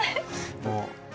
もう。